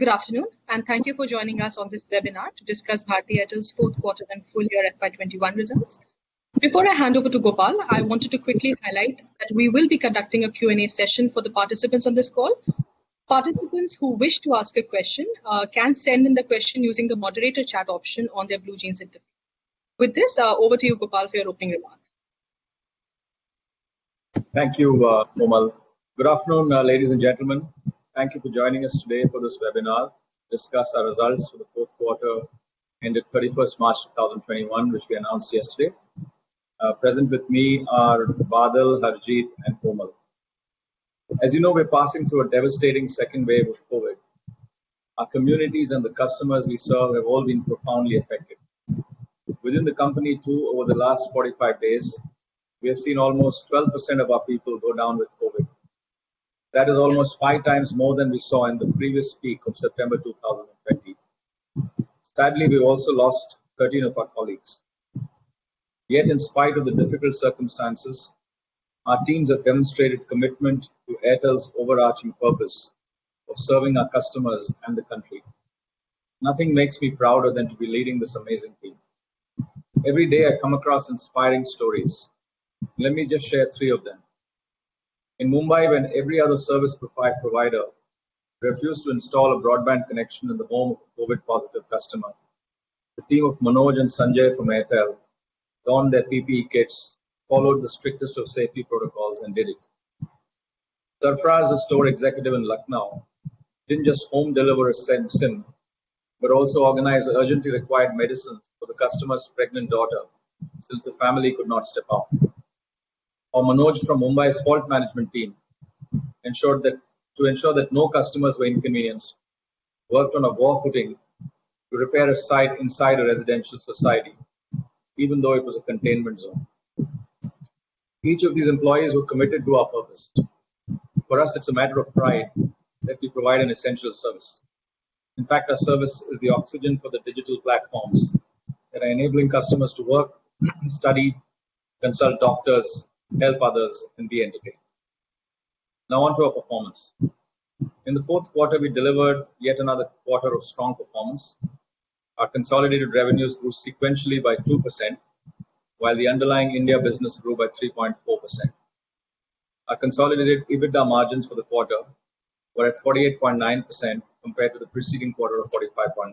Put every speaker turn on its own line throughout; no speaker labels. Good afternoon. Thank you for joining us on this webinar to discuss Bharti Airtel's fourth quarter and full year FY 2021 results. Before I hand over to Gopal, I wanted to quickly highlight that we will be conducting a Q&A session for the participants on this call. Participants who wish to ask a question can send in the question using the moderator chat option on their BlueJeans interface. With this, over to you, Gopal, for your opening remarks.
Thank you, Komal. Good afternoon, ladies and gentlemen. Thank you for joining us today for this webinar to discuss our results for the fourth quarter ended 21st March 2021, which we announced yesterday. Present with me are Badal, Harjeet, and Komal. As you know, we're passing through a devastating second wave of COVID. Our communities and the customers we serve have all been profoundly affected. Within the company, too, over the last 45 days, we have seen almost 12% of our people go down with COVID. That is almost five times more than we saw in the previous peak of September 2020. Sadly, we also lost 13 of our colleagues. In spite of the difficult circumstances, our teams have demonstrated commitment to Airtel's overarching purpose of serving our customers and the country. Nothing makes me prouder than to be leading this amazing team. Every day, I come across inspiring stories. Let me just share three of them. In Mumbai, when every other service provider refused to install a broadband connection in the home of a COVID-positive customer, the team of Manoj and Sanjay from Airtel donned their PPE kits, followed the strictest of safety protocols, and did it. Sarfaraz, a store executive in Lucknow, didn't just home deliver a SIM, but also organized urgently required medicines for the customer's pregnant daughter since the family could not step out. Manoj from Mumbai's fault management team, to ensure that no customers were inconvenienced, worked on a bargaining to repair a site inside a residential society, even though it was a containment zone. Each of these employees were committed to our purpose. For us, it's a matter of pride that we provide an essential service. In fact, our service is the oxygen for the digital platforms that are enabling customers to work, study, consult doctors, help others, and be entertained. Now, onto our performance. In the fourth quarter, we delivered yet another quarter of strong performance. Our consolidated revenues grew sequentially by 2%, while the underlying India business grew by 3.4%. Our consolidated EBITDA margins for the quarter were 48.9% compared to the preceding quarter of 45.9%.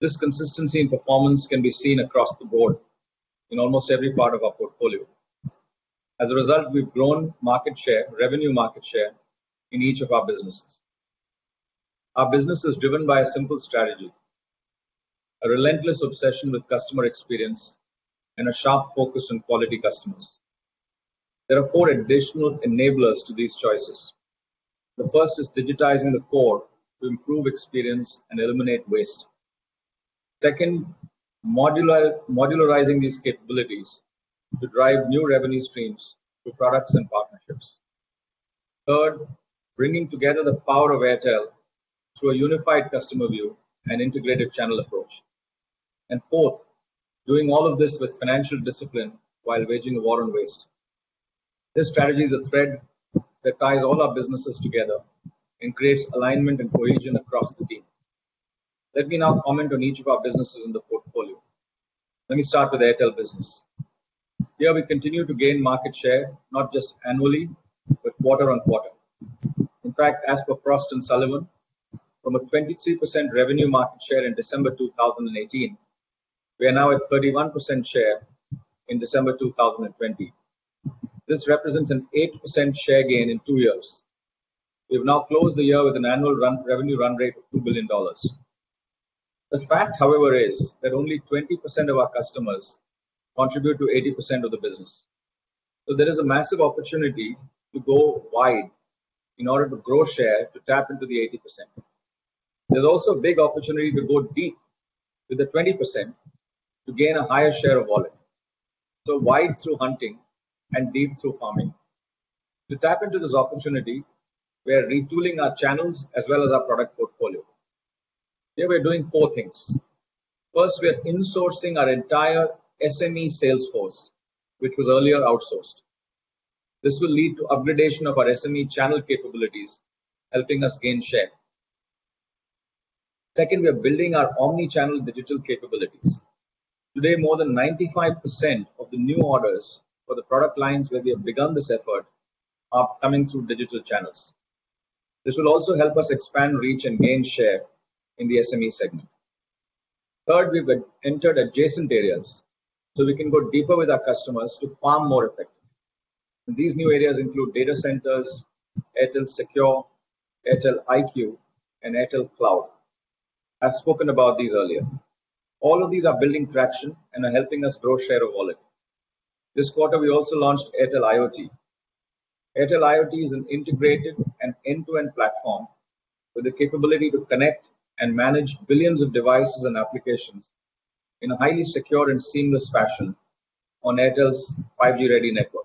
This consistency in performance can be seen across the board in almost every part of our portfolio. As a result, we've grown market share, revenue market share, in each of our businesses. Our business is driven by a simple strategy, a relentless obsession with customer experience, and a sharp focus on quality customers. There are additional enablers to these choices The first is digitizing the core to improve experience and eliminate waste. Second, modularizing these capabilities to drive new revenue streams for products and partnerships. Third, bringing together the power of Airtel through a unified customer view and integrated channel approach. Fourth, doing all of this with financial discipline while waging a war on waste. This strategy is a thread that ties all our businesses together and creates alignment and cohesion across the team. Let me now comment on each of our businesses in the portfolio. Let me start with the Airtel business. Here, we continue to gain market share, not just annually, but quarter on quarter. In fact, as per Frost & Sullivan, from a 23% revenue market share in December 2018, we are now at 31% share in December 2020. This represents an 8% share gain in two years. We've now closed the year with an annual revenue run rate of $2 billion. The fact, however, is that only 20% of our customers contribute to 80% of the business. There is a massive opportunity to go wide in order to grow share to tap into the 80%. There's also a big opportunity to go deep with the 20% to gain a higher share of wallet. Wide through hunting and deep through farming. To tap into this opportunity, we are retooling our channels as well as our product portfolio. Here, we are doing four things. First, we are insourcing our entire SME sales force, which was earlier outsourced. This will lead to upgradation of our SME channel capabilities, helping us gain share. Second, we are building our omni-channel digital capabilities. Today, more than 95% of the new orders for the product lines where we have begun this effort are coming through digital channels. This will also help us expand reach and gain share in the SME segment. Third, we've entered adjacent areas, we can go deeper with our customers to farm more effectively. These new areas include data centers, Airtel Secure, Airtel IQ, and Airtel Cloud. I've spoken about these earlier. All of these are building traction and are helping us grow share of wallet. This quarter, we also launched Airtel IoT. Airtel IoT is an integrated and end-to-end platform with the capability to connect and manage billions of devices and applications in a highly secure and seamless fashion on Airtel's 5G-ready network.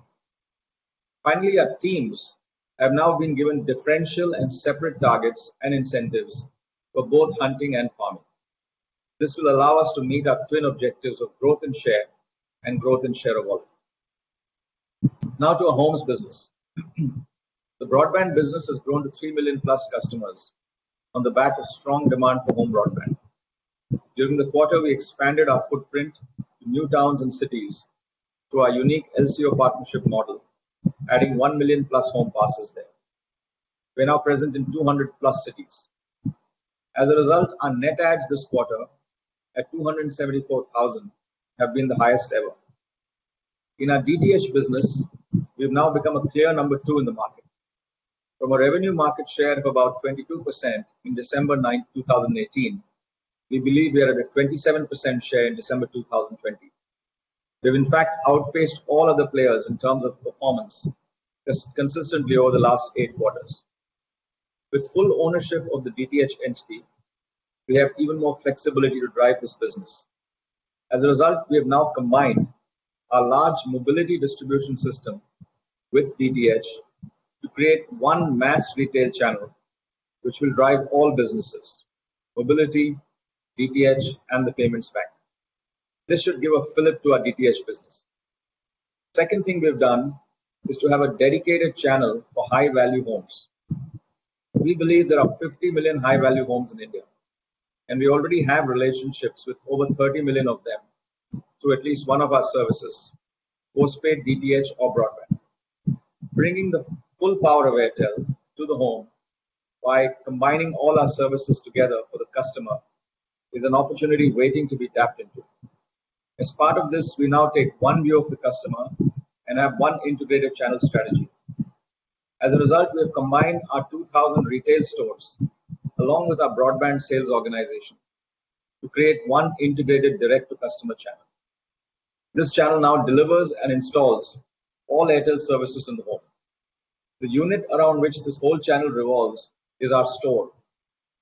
Finally, our teams have now been given differential and separate targets and incentives for both hunting and farming. This will allow us to meet our twin objectives of growth and share and growth and share of wallet. Now to our homes business. The broadband business has grown to 3 million+ customers on the back of strong demand for home broadband. During the quarter, we expanded our footprint to new towns and cities through our unique LCO partnership model, adding 1 million+ home passes there. We're now present in 200+ cities. As a result, our net adds this quarter at 274,000 have been the highest ever. In our DTH business, we've now become a clear number two in the market. From a revenue market share of about 22% in December 9, 2018, we believe we are at a 27% share in December 2020. We've in fact outpaced all other players in terms of performance consistently over the last eight quarters. With full ownership of the DTH entity, we have even more flexibility to drive this business. As a result, we have now combined our large mobility distribution system with DTH to create one mass retail channel, which will drive all businesses, mobility, DTH, and the Payments Bank. This should give a fillip to our DTH business. Second thing we've done is to have a dedicated channel for high-value homes. We believe there are 50 million high-value homes in India, and we already have relationships with over 30 million of them through at least one of our services, postpaid, DTH, or broadband. Bringing the full power of Airtel to the home by combining all our services together for the customer is an opportunity waiting to be tapped into. As part of this, we now take one view of the customer and have one integrated channel strategy. As a result, we have combined our 2,000 retail stores, along with our broadband sales organization, to create one integrated direct-to-customer channel. This channel now delivers and installs all Airtel services in the home. The unit around which this whole channel revolves is our store,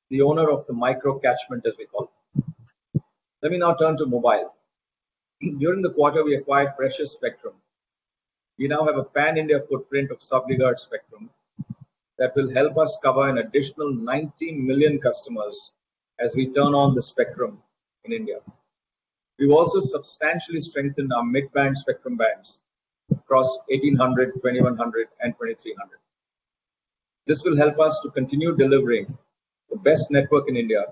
the owner of the micro catchment, as we call it. Let me now turn to mobile. During the quarter, we acquired precious spectrum. We now have a pan-India footprint of sub-gigahertz spectrum that will help us cover an additional 90 million customers as we turn on the spectrum in India. We've also substantially strengthened our mid-band spectrum banks across 1800, 2100, and 2300. This will help us to continue delivering the best network in India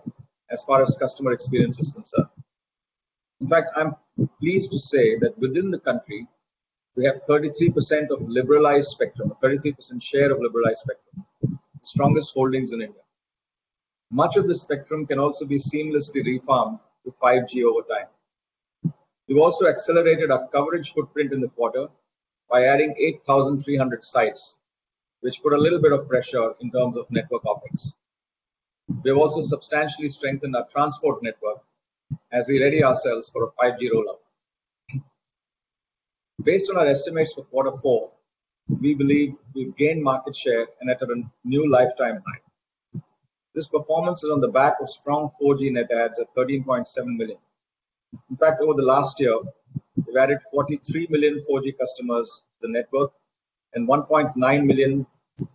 as far as customer experience is concerned. In fact, I'm pleased to say that within the country, we have 33% of liberalized spectrum, 33% share of liberalized spectrum. The strongest holdings in India. Much of the spectrum can also be seamlessly refarmed to 5G over time. We've also accelerated our coverage footprint in the quarter by adding 8,300 sites, which put a little bit of pressure in terms of network CapEx. We have also substantially strengthened our transport network as we ready ourselves for a 5G rollout. Based on our estimates for Q4, we believe we've gained market share and at a new lifetime high. This performance is on the back of strong 4G net adds at 13.7 million. In fact, over the last year, we've added 43 million 4G customers to the network and 1.9 million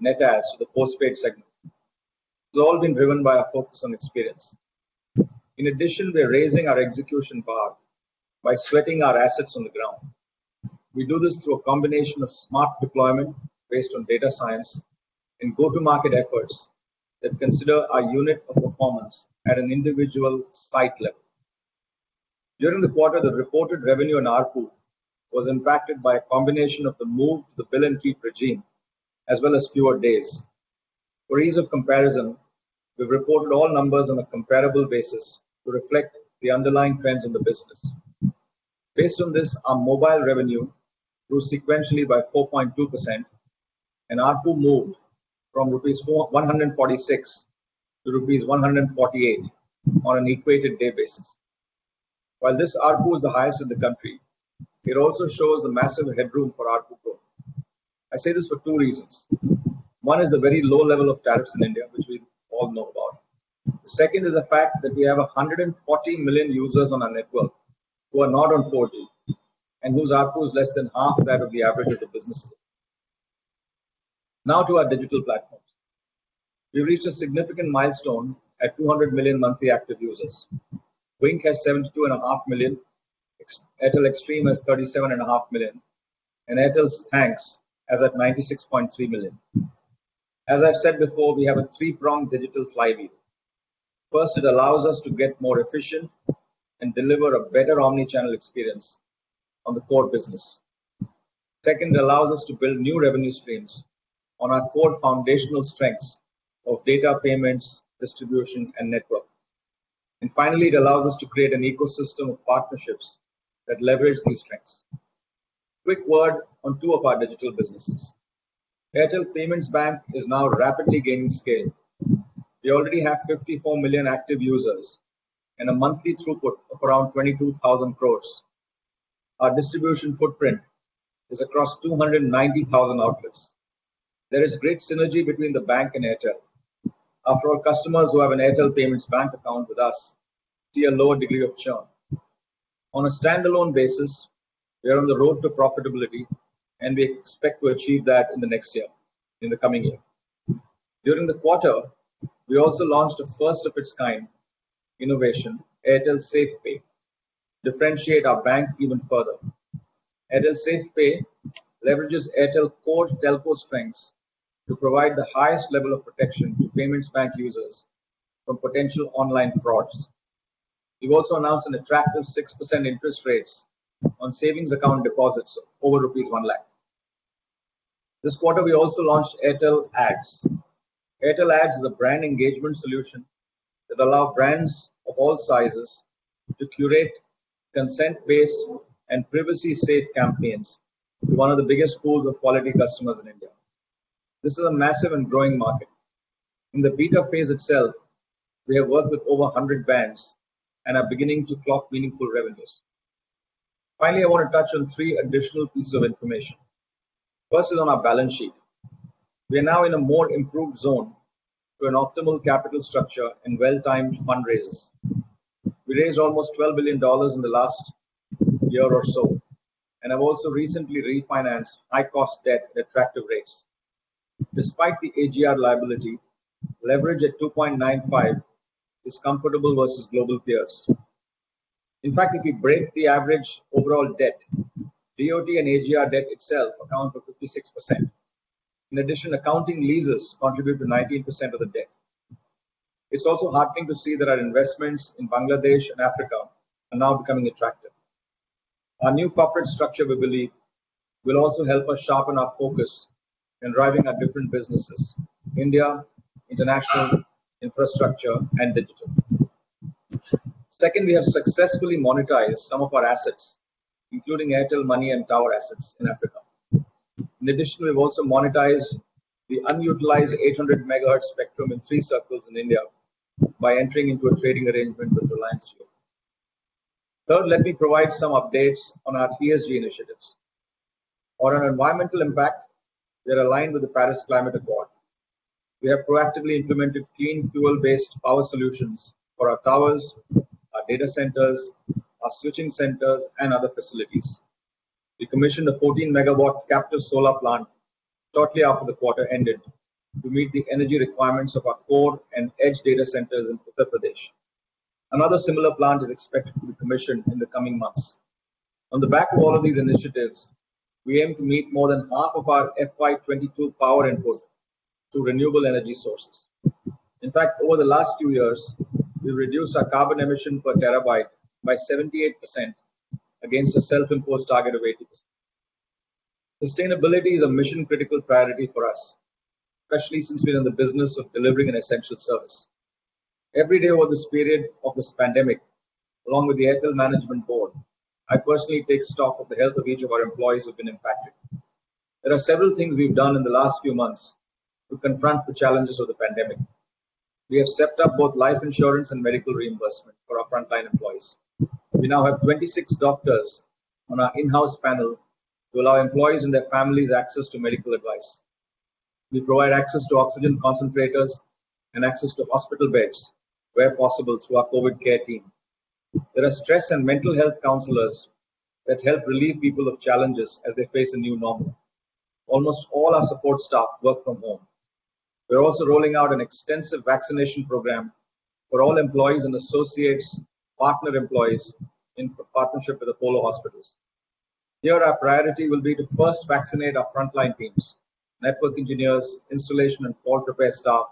net adds to the postpaid segment. It's all been driven by a focus on experience. In addition, we're raising our execution bar by sweating our assets on the ground. We do this through a combination of smart deployment based on data science and go-to-market efforts that consider our unit of performance at an individual site level. During the quarter, the reported revenue and ARPU was impacted by a combination of the move to the bill and keep regime, as well as fewer days. For ease of comparison, we've reported all numbers on a comparable basis to reflect the underlying trends in the business. Based on this, our mobile revenue grew sequentially by 4.2%, and ARPU moved from rupees 146 to rupees 148 on an equated day basis. While this ARPU is the highest in the country, it also shows the massive headroom for ARPU growth. I say this for two reasons. One is the very low level of tariffs in India, which we all know about. The second is the fact that we have 140 million users on our network who are not on 4G and whose ARPU is less than half that of the average of the businesses. Now to our digital platforms. We reached a significant milestone at 200 million monthly active users. Wynk has 72.5 million, Airtel Xstream has 37.5 million, and Airtel Thanks is at 96.3 million. As I've said before, we have a three-pronged digital flywheel. First, it allows us to get more efficient and deliver a better omnichannel experience on the core business. Second, it allows us to build new revenue streams on our core foundational strengths of data, payments, distribution, and network. Finally, it allows us to create an ecosystem of partnerships that leverage these strengths. Quick word on two of our digital businesses. Airtel Payments Bank is now rapidly gaining scale. We already have 54 million active users and a monthly throughput of around 22,000 crores. Our distribution footprint is across 290,000 outlets. There is great synergy between the bank and Airtel. Our customers who have an Airtel Payments Bank account with us see a lower degree of churn. On a standalone basis, we are on the road to profitability, and we expect to achieve that in the next year, in the coming year. During the quarter, we also launched a first of its kind innovation, Airtel Safe Pay, differentiate our bank even further. Airtel Safe Pay leverages Airtel core telco strengths to provide the highest level of protection to payments bank users from potential online frauds. We've also announced an attractive 6% interest rates on savings account deposits over rupees 1 lakh. This quarter, we also launched Airtel Ads. Airtel Ads is a brand engagement solution that allow brands of all sizes to curate consent-based and privacy safe campaigns to one of the biggest pools of quality customers in India. This is a massive and growing market. In the beta phase itself, we have worked with over 100 brands and are beginning to clock meaningful revenues. Finally, I want to touch on three additional pieces of information. First is on our balance sheet. We are now in a more improved zone to an optimal capital structure and well-timed fundraisers. We raised almost $12 billion in the last year or so and have also recently refinanced high-cost debt at attractive rates. Despite the AGR liability, leverage at 2.95 is comfortable versus global peers. In fact, if you break the average overall debt, DoT and AGR debt itself account for 56%. In addition, accounting leases contribute to 19% of the debt. It's also heartening to see that our investments in Bangladesh and Africa are now becoming attractive. Our new corporate structure, we believe, will also help us sharpen our focus in driving our different businesses, India, international, infrastructure, and digital. We have successfully monetized some of our assets, including Airtel Money and tower assets in Africa. In addition, we've also monetized the unutilized 800 MHz spectrum in three circles in India by entering into a trading arrangement with Reliance Jio. Let me provide some updates on our ESG initiatives. On our environmental impact, they're aligned with the Paris Agreement. We have proactively implemented clean fuel-based power solutions for our towers, our data centers, our switching centers, and other facilities. We commissioned a 14-megawatt captive solar plant shortly after the quarter ended to meet the energy requirements of our core and edge data centers in Uttar Pradesh. Another similar plant is expected to be commissioned in the coming months. On the back of all of these initiatives, we aim to meet more than half of our FY 2022 power input through renewable energy sources. Over the last few years, we've reduced our carbon emission per terabyte by 78% against a self-imposed target of 80%. Sustainability is a mission-critical priority for us, especially since we are in the business of delivering an essential service. Every day over this period of this pandemic, along with the Airtel management board, I personally take stock of the health of each of our employees who've been impacted. There are several things we've done in the last few months to confront the challenges of the pandemic. We have stepped up both life insurance and medical reimbursement for our frontline employees. We now have 26 doctors on our in-house panel to allow employees and their families access to medical advice. We provide access to oxygen concentrators and access to hospital beds where possible through our COVID care team. There are stress and mental health counselors that help relieve people of challenges as they face a new normal. Almost all our support staff work from home. We're also rolling out an extensive vaccination program for all employees and associates, partner employees in partnership with Apollo Hospitals. Here, our priority will be to first vaccinate our frontline teams, network engineers, installation and fault repair staff,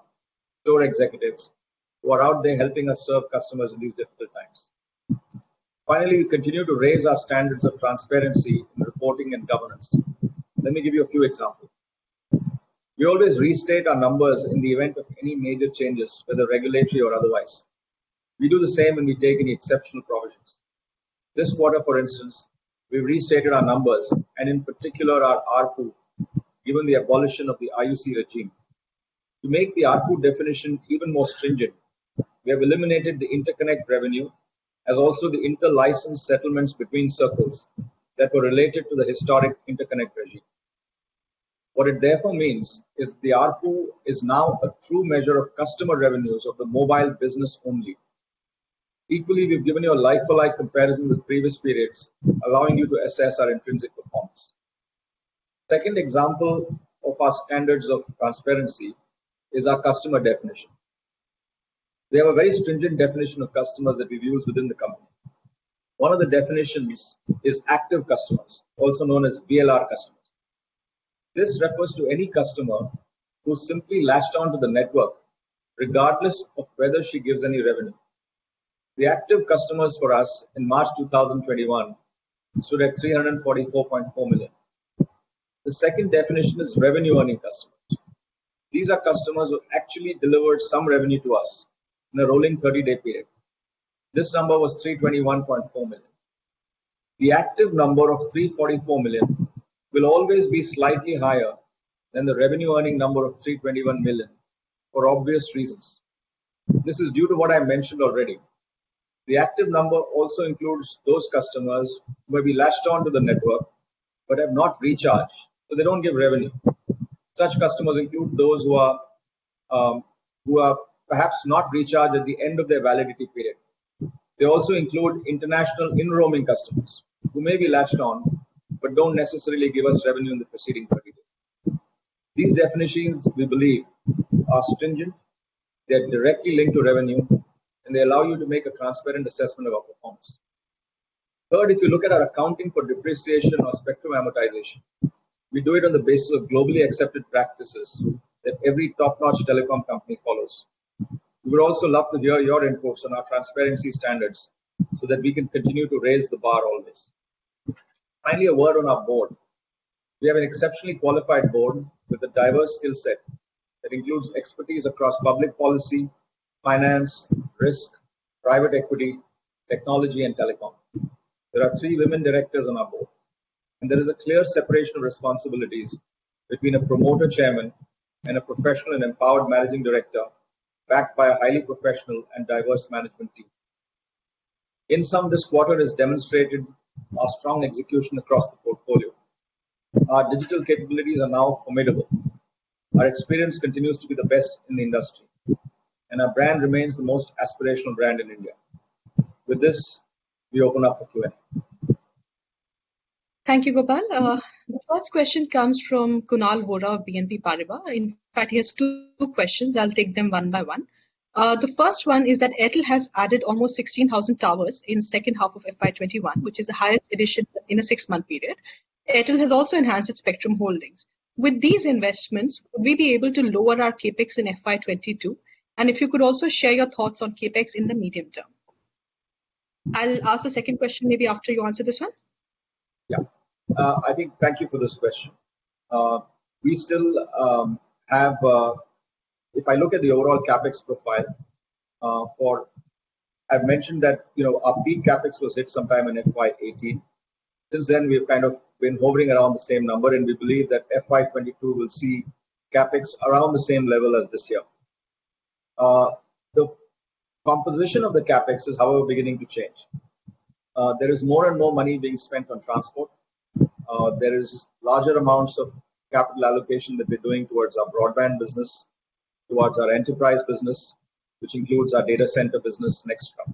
store executives, who are out there helping us serve customers in these difficult times. Finally, we continue to raise our standards of transparency in reporting and governance. Let me give you a few examples. We always restate our numbers in the event of any major changes, whether regulatory or otherwise. We do the same when we take any exceptional provisions. This quarter, for instance, we've restated our numbers and in particular our ARPU, given the abolition of the IUC regime. To make the ARPU definition even more stringent, we have eliminated the interconnect revenue, as also the interlicense settlements between circles that were related to the historic interconnect regime. What it therefore means is the ARPU is now a true measure of customer revenues of the mobile business only. Equally, we've given you a like-for-like comparison with previous periods, allowing you to assess our intrinsic performance. Second example of our standards of transparency is our customer definition. We have a very stringent definition of customers that we've used within the company. One of the definitions is active customers, also known as VLR customers. This refers to any customer who's simply latched on to the network, regardless of whether she gives any revenue. The active customers for us in March 2021 stood at 344.4 million. The second definition is revenue-earning customers. These are customers who actually delivered some revenue to us in a rolling 30-day period. This number was 321.4 million. The active number of 344 million will always be slightly higher than the revenue-earning number of 321 million, for obvious reasons. This is due to what I mentioned already. The active number also includes those customers who will be latched on to the network but have not recharged, so they don't give revenue. Such customers include those who have perhaps not recharged at the end of their validity period. They also include international enrolling customers who may be latched on but don't necessarily give us revenue in the preceding period. These definitions, we believe, are stringent, they're directly linked to revenue, and they allow you to make a transparent assessment of our performance. Third, if you look at our accounting for depreciation or spectrum amortization, we do it on the basis of globally accepted practices that every top-notch telecom company follows. We would also love to hear your inputs on our transparency standards so that we can continue to raise the bar on this. Finally, a word on our board. We have an exceptionally qualified board with a diverse skill set that includes expertise across public policy, finance, risk, private equity, technology, and telecom. There are three women directors on our board, and there is a clear separation of responsibilities between a promoter chairman and a professional and empowered managing director, backed by a highly professional and diverse management team. In sum, this quarter has demonstrated our strong execution across the portfolio. Our digital capabilities are now formidable. Our experience continues to be the best in the industry, and our brand remains the most aspirational brand in India. With this, we open up for Q&A.
Thank you, Gopal. The first question comes from Kunal Vora of BNP Paribas. In fact, he has two questions. I'll take them one by one. The first one is that Airtel has added almost 16,000 towers in the second half of FY 2021, which is the highest addition in a six-month period. Airtel has also enhanced its spectrum holdings. With these investments, will we be able to lower our CapEx in FY 2022? If you could also share your thoughts on CapEx in the medium term. I'll ask the second question maybe after you answer this one.
Yeah. Thank you for this question. If I look at the overall CapEx profile, I mentioned that our peak CapEx was hit sometime in FY 2018. Since then, we've kind of been hovering around the same number, and we believe that FY 2022 will see CapEx around the same level as this year. The composition of the CapEx is, however, beginning to change. There is more and more money being spent on transport. There is larger amounts of capital allocation that we're doing towards our broadband business, towards our enterprise business, which includes our data center business and etcetera.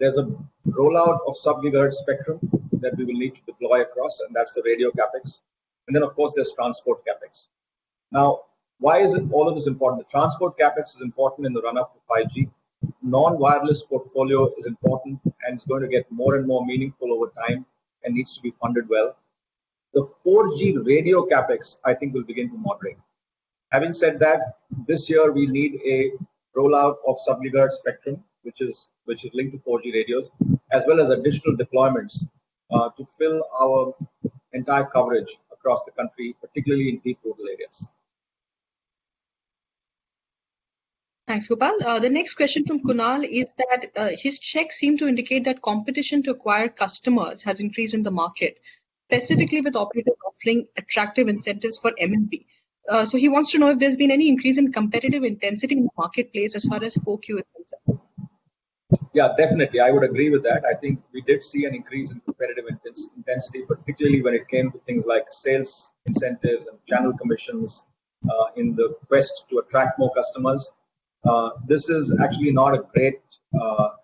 There's a rollout of sub-gigahertz spectrum that we will need to deploy across, and that's the radio CapEx. Of course, there's transport CapEx. Why is all of this important? The transport CapEx is important in the run-up of 5G. Non-wireless portfolio is important and it's going to get more and more meaningful over time and needs to be funded well. The 4G radio CapEx, I think, will begin to moderate. Having said that, this year we need a rollout of sub-gigahertz spectrum, which is linked to 4G radios, as well as additional deployments to fill our entire coverage across the country, particularly in deep rural areas.
Thanks, Gopal. The next question from Kunal is that his checks seem to indicate that competition to acquire customers has increased in the market, specifically with operators offering attractive incentives for M&P. He wants to know if there's been any increase in competitive intensity in the marketplace as far as Q4 is concerned.
Yeah, definitely. I would agree with that. I think we did see an increase in competitive intensity, particularly when it came to things like sales incentives and channel commissions in the quest to attract more customers. This is actually not a great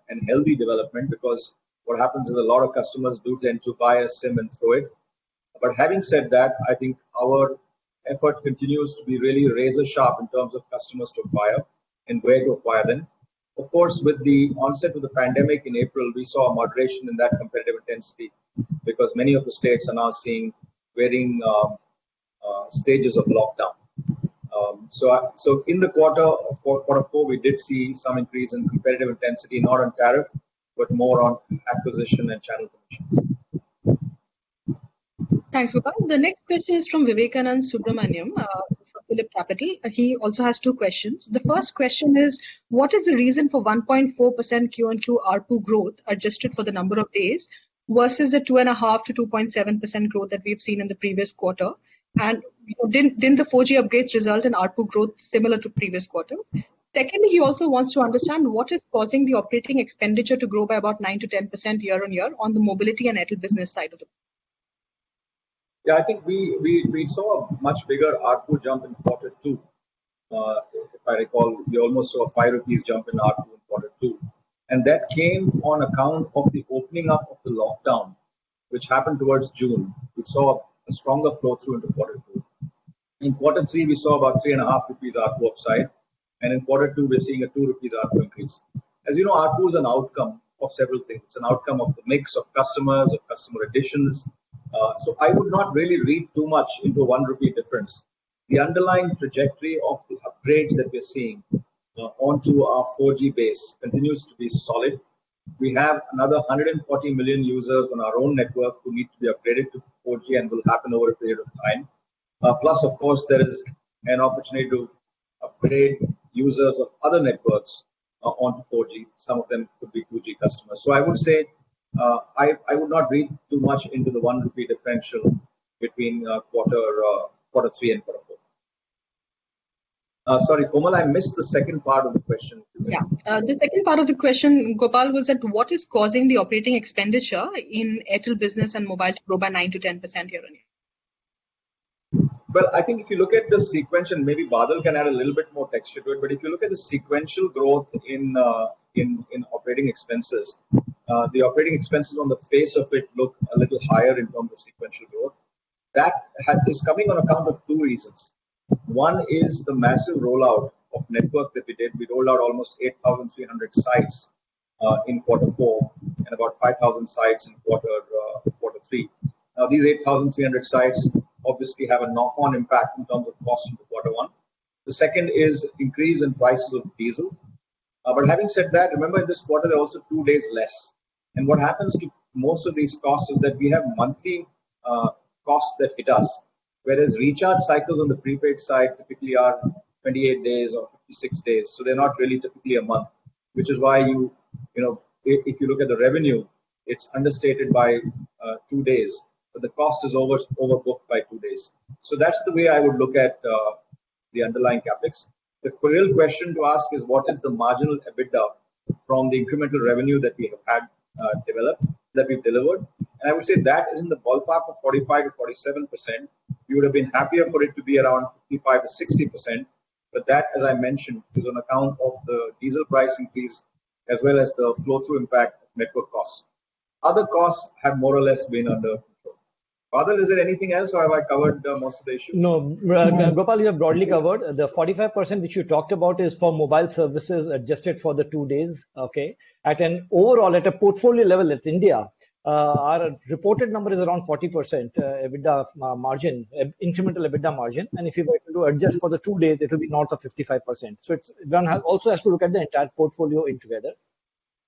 and healthy development because what happens is a lot of customers do tend to buy a SIM and throw it. Having said that, I think our effort continues to be really razor-sharp in terms of customers to acquire and where to acquire them. Of course, with the onset of the pandemic in April, we saw a moderation in that competitive intensity, because many of the states are now seeing varying stages of lockdown. In the quarter, Q4 2020, we did see some increase in competitive intensity, not on tariff, but more on acquisition and channel commissions.
Thanks, Gopal. The next question is from Vivekanand Subbaraman, PhillipCapital. He also has two questions. The first question is: What is the reason for 1.4% Q2 ARPU growth, adjusted for the number of days, versus the 2.5%-2.7% growth that we've seen in the previous quarter? Didn't the 4G upgrades result in ARPU growth similar to previous quarters? Secondly, he also wants to understand what is causing the operating expenditure to grow by about 9%-10% year-on-year on the mobility and Airtel business side of it.
Yeah, I think we saw a much bigger ARPU jump in quarter two. If I recall, we almost saw a 5 rupees jump in ARPU in quarter two. That came on account of the opening up of the lockdown, which happened towards June. We saw a stronger flow-through in the quarter two. In quarter three, we saw about 3.5 rupees ARPU upside, and in quarter two, we're seeing a 2 rupees ARPU increase. As you know, ARPU is an outcome of several things. It's an outcome of the mix of customers, of customer additions. I would not really read too much into a 1 rupee difference. The underlying trajectory of the upgrades that we're seeing onto our 4G base continues to be solid. We have another 140 million users on our own network who need to be upgraded to 4G, and will happen over a period of time. Plus, of course, there is an opportunity to upgrade users of other networks on 4G. Some of them could be 5G customers. I would say, I would not read too much into the 1 rupee differential between quarter three and quarter four. Sorry, Kunal, I missed the second part of the question.
Yeah. The second part of the question, Gopal, was that what is causing the operating expenditure in Airtel business and mobile to grow by 9%-10% year-on-year?
Well, I think if you look at the sequence, and maybe Badal can add a little bit more texture to it, if you look at the sequential growth in operating expenses, the operating expenses on the face of it look a little higher in terms of sequential growth. That is coming on account of two reasons. One is the massive rollout of network that we did. We rolled out almost 8,300 sites in quarter four and about 5,000 sites in quarter three. Now, these 8,300 sites obviously have a knock-on impact in terms of cost into quarter one. The second is increase in prices of diesel. Having said that, remember, this quarter, there are also two days less. What happens to most of these costs is that we have monthly costs that hit us, whereas recharge cycles on the prepaid side typically are 28 days or 56 days. They're not really typically a month, which is why if you look at the revenue, it's understated by two days, but the cost is overbooked by two days. That's the way I would look at the underlying CapEx. The real question to ask is, what is the marginal EBITDA from the incremental revenue that we have had developed, that we've delivered? I would say that is in the ballpark of 45%-47%. We would have been happier for it to be around 55%-60%, but that, as I mentioned, is on account of the diesel price increase as well as the flow-through impact of network costs. Other costs have more or less been under control. Badal, is there anything else or have I covered most of the issues?
No. Gopal, you have broadly covered. The 45% which you talked about is for mobile services adjusted for the two days, okay? At an overall, at a portfolio level at India, our reported number is around 40% EBITDA margin, incremental EBITDA margin. If you were to adjust for the two days, it will be north of 55%. One also has to look at the entire portfolio in together.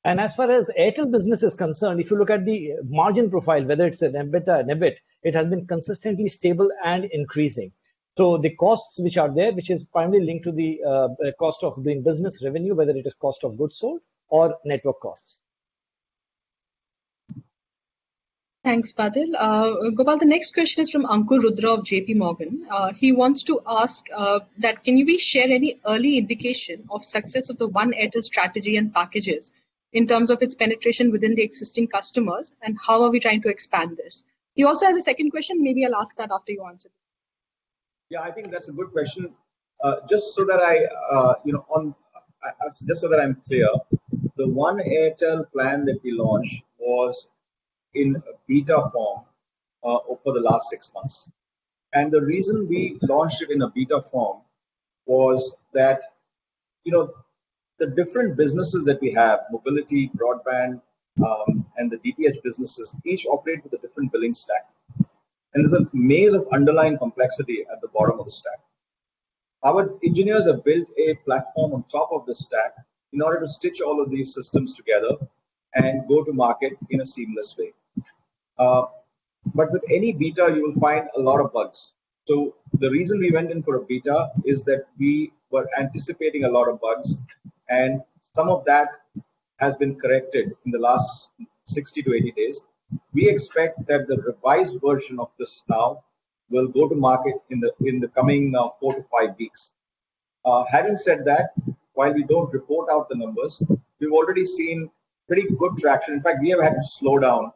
As far as Airtel Business is concerned, if you look at the margin profile, whether it's an EBITDA and EBIT, it has been consistently stable and increasing. The costs which are there, which is primarily linked to the cost of doing business revenue, whether it is cost of goods sold or network costs.
Thanks, Badal. Gopal, the next question is from Ankur Rudra of J.P. Morgan. He wants to ask that, "Can you share any early indication of success of the One Airtel strategy and packages in terms of its penetration within the existing customers, and how are we trying to expand this?" He also has a second question. Maybe I'll ask that after you answer this.
Yeah, I think that's a good question. Just so that I'm clear, the One Airtel plan that we launched was in a beta form for the last six months. The reason we launched it in a beta form was that the different businesses that we have, mobility, broadband, and the DTH businesses, each operate with a different billing stack. There's a maze of underlying complexity at the bottom of the stack. Our engineers have built a platform on top of this stack in order to stitch all of these systems together and go to market in a seamless way. With any beta, you will find a lot of bugs. The reason we went in for a beta is that we were anticipating a lot of bugs, and some of that has been corrected in the last 60-80 days. We expect that the revised version of this now will go to market in the coming four to five weeks. Having said that, while we don't report out the numbers, we've already seen pretty good traction. In fact, we have had to slow down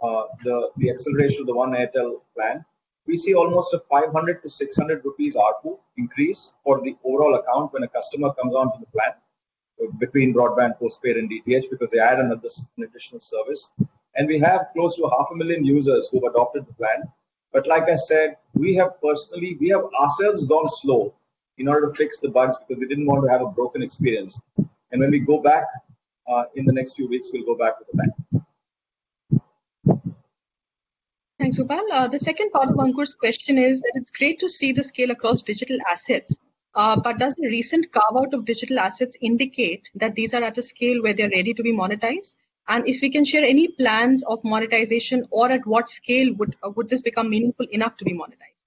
the acceleration of the One Airtel plan. We see almost a 500 to 600 rupees ARPU increase for the overall account when a customer comes onto the plan between broadband, postpaid, and DTH because they add another additional service. We have close to half a million users who've adopted the plan. Like I said, we have personally, we have ourselves gone slow in order to fix the bugs because we didn't want to have a broken experience. When we go back, in the next few weeks, we'll go back with a bang.
Thanks, Gopal. The second part of Ankur's question is that it's great to see the scale across digital assets. Does the recent carve-out of digital assets indicate that these are at a scale where they're ready to be monetized? If we can share any plans of monetization or at what scale would this become meaningful enough to be monetized?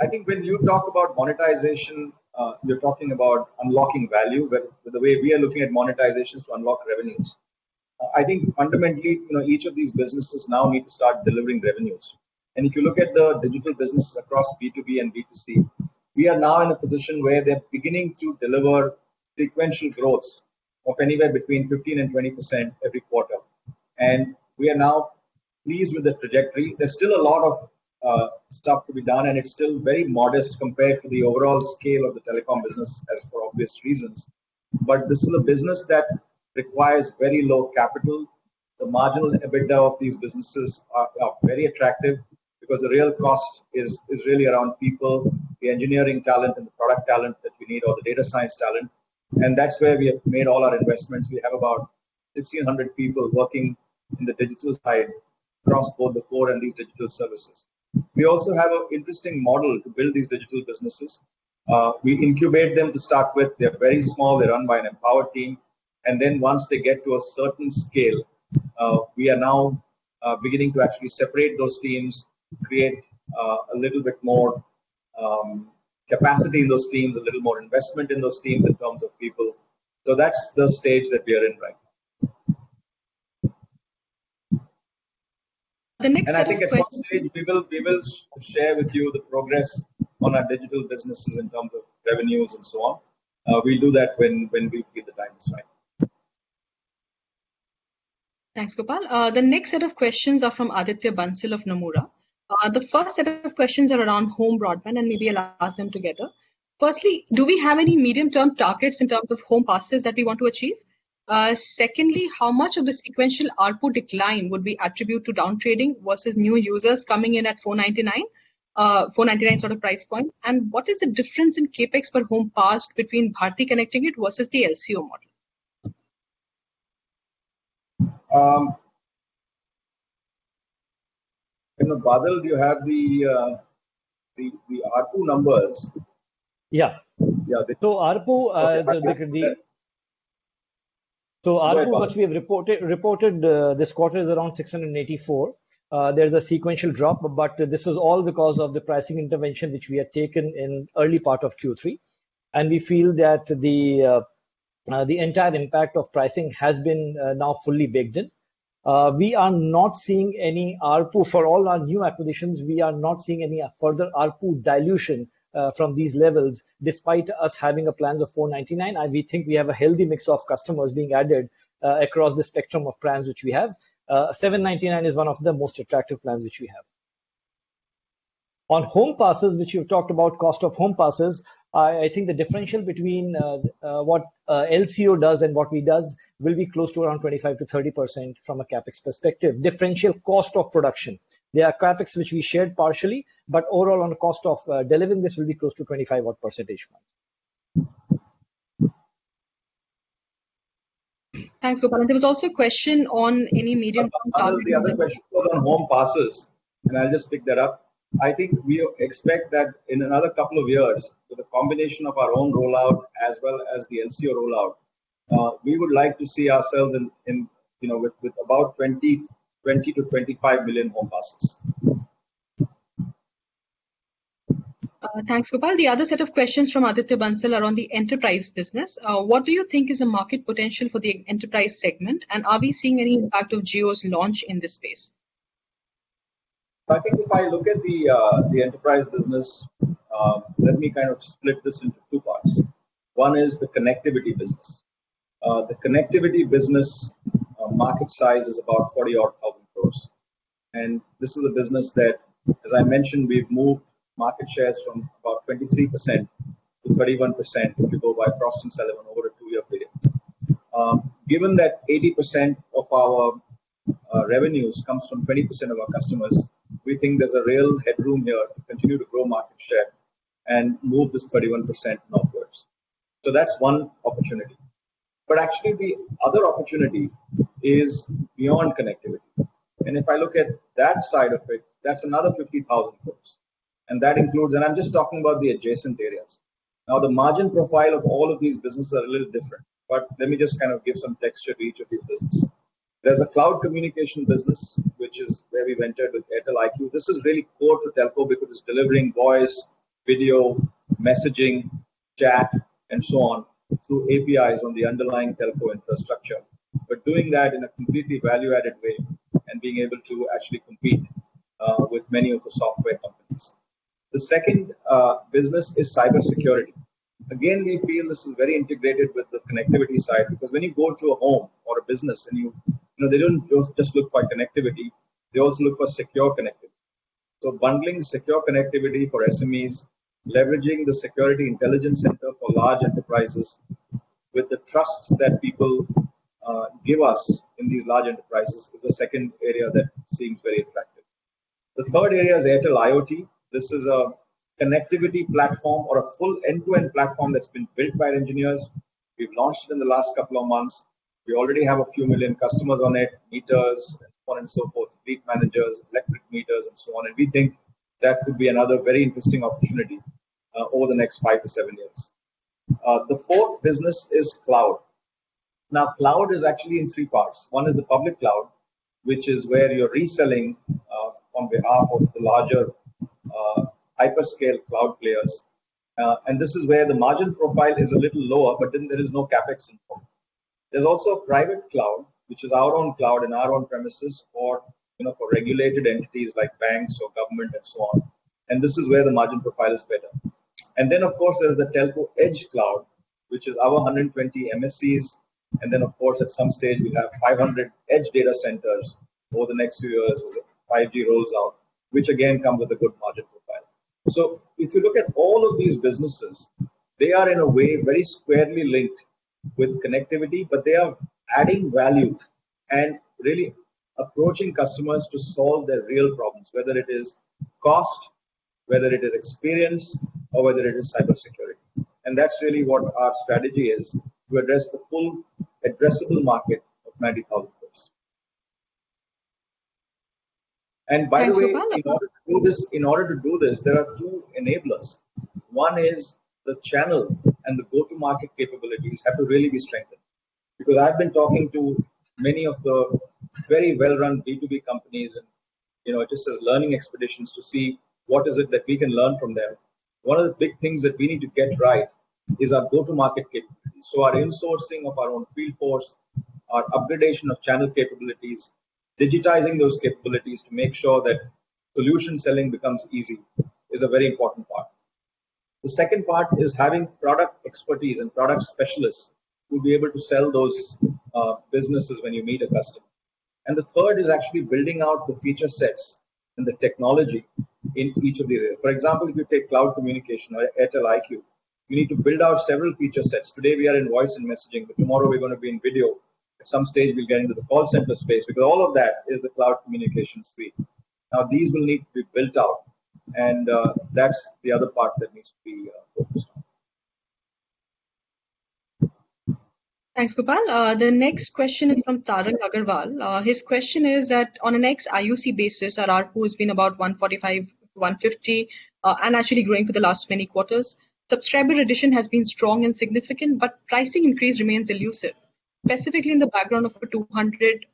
I think when you talk about monetization, you're talking about unlocking value. The way we are looking at monetization is to unlock revenues. I think fundamentally, each of these businesses now need to start delivering revenues. If you look at the digital business across B2B and B2C, we are now in a position where they're beginning to deliver sequential growth of anywhere between 15%-20% every quarter. We are now pleased with the trajectory. There's still a lot of stuff to be done, and it's still very modest compared to the overall scale of the telecom business, as for obvious reasons. This is a business that requires very low capital. The marginal EBITDA of these businesses are very attractive because the real cost is really around people, the engineering talent and the product talent that we need, or the data science talent. That's where we have made all our investments. We have about 1,500 people working in the digital side across both the core and these digital services. We also have an interesting model to build these digital businesses. We incubate them to start with. They're very small. They're run by an empowered team. Once they get to a certain scale, we are now beginning to actually separate those teams, create a little bit more capacity in those teams, a little more investment in those teams in terms of people. That's the stage that we are in right now.
The next set of questions.
I think at some stage, we will share with you the progress on our digital businesses in terms of revenues and so on. We'll do that when we feel the time is right.
Thanks, Gopal. The next set of questions are from Aditya Bansal of Nomura. The first set of questions are around home broadband, and maybe I'll ask them together. Firstly, do we have any medium-term targets in terms of home passes that we want to achieve? Secondly, how much of the sequential ARPU decline would we attribute to down trading versus new users coming in at 499 sort of price point? What is the difference in CapEx per home passed between Bharti connecting it versus the LCO model?
Badal, do you have the ARPU numbers?
Yeah.
Yeah.
ARPU, which we have reported this quarter is around 684. There's a sequential drop, but this is all because of the pricing intervention which we had taken in early part of Q3, and we feel that the entire impact of pricing has been now fully baked in. For all our new acquisitions, we are not seeing any further ARPU dilution from these levels, despite us having plans of 499, and we think we have a healthy mix of customers being added, across the spectrum of plans which we have. 799 is one of the most attractive plans which we have. On home passes, which you've talked about cost of home passes, I think the differential between what LCO does and what we does, will be close to around 25%-30% from a CapEx perspective. Differential cost of production. There are CapEx which we shared partially, but overall, on the cost of delivering this will be close to 25 odd percentage points.
Thanks, Gopal. There was also a question on any medium-term target.
The other question was on home passes, and I'll just pick that up. I think we expect that in another couple of years, with a combination of our own rollout as well as the LCO rollout, we would like to see ourselves with about 20-25 million home passes.
Thanks, Gopal. The other set of questions from Aditya Bansal are on the enterprise business. What do you think is the market potential for the enterprise segment, and are we seeing any impact of Jio's launch in this space?
I think if I look at the enterprise business, let me kind of split this into two parts. One is the connectivity business. The connectivity business market size is about 40,000 odd crores. This is a business that, as I mentioned, we've moved market shares from about 23% to 31% if you go by Frost & Sullivan over a two-year period. Given that 80% of our revenues comes from 20% of our customers, we think there's a real headroom here to continue to grow market share and move this 31% northwards. That's one opportunity. Actually the other opportunity is beyond connectivity. If I look at that side of it, that's another 50,000 crores. I'm just talking about the adjacent areas. The margin profile of all of these businesses are a little different, but let me just kind of give some texture to each of these business. There's a cloud communication business, which is where we ventured with Airtel IQ. This is very core to telco because it's delivering voice, video, messaging, chat, and so on, through APIs on the underlying telco infrastructure. Doing that in a completely value-added way and being able to actually compete with many of the software companies. The second business is cybersecurity. We feel this is very integrated with the connectivity side because when you go to a home or a business and they don't just look for connectivity, they also look for secure connectivity. Bundling secure connectivity for SMEs, leveraging the security intelligence center for large enterprises with the trust that people give us in these large enterprises is a second area that seems very attractive. The third area is Airtel IoT. This is a connectivity platform or a full end-to-end platform that's been built by our engineers. We've launched in the last couple of months. We already have a few million customers on it, meters and so on and so forth, fleet managers, electric meters, and so on. We think that could be another very interesting opportunity, over the next five to seven years. The fourth business is cloud. Cloud is actually in three parts. One is the public cloud, which is where you're reselling, on behalf of the larger hyperscale cloud players. This is where the margin profile is a little lower, but then there is no CapEx involved. There's also private cloud, which is our own cloud and our own premises for regulated entities like banks or government and so on. This is where the margin profile is better. Then of course there's the Telco Edge Cloud, which is our 120 MSCs, and then of course at some stage we have 500 edge data centers over the next few years as 5G rolls out, which again come with a good margin profile. If you look at all of these businesses, they are in a way very squarely linked with connectivity, but they are adding value and really approaching customers to solve their real problems. Whether it is cost, whether it is experience, or whether it is cybersecurity. That's really what our strategy is, to address the full addressable market of 90,000 crore.
Thanks, Gopal.
in order to do this, there are two enablers. One is the channel and the go-to-market capabilities have to really be strengthened. I've been talking to many of the very well-run B2B companies, just as learning expeditions to see what is it that we can learn from them. One of the big things that we need to get right is our go-to-market capabilities. Our insourcing of our own field force, our upgradation of channel capabilities, digitizing those capabilities to make sure that solution selling becomes easy is a very important part. The second part is having product expertise and product specialists who'll be able to sell those businesses when you meet a customer. The third is actually building out the feature sets and the technology into each of the areas. For example, if you take cloud communication or Airtel IQ, we need to build out several feature sets. Today, we are in voice and messaging. Tomorrow we're going to be in video. At some stage, we'll get into the call center space because all of that is the cloud communication suite. These will need to be built out, and that's the other part that needs to be focused on.
Thanks, Gopal. The next question is from Tarun Aggarwal. His question is that on an ex-IUC basis, our ARPU has been about 145, 150, and actually growing for the last many quarters. Subscriber addition has been strong and significant, but pricing increase remains elusive, specifically in the background of a 200